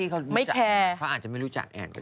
เขาไม่แคลร์จริงไหมครับ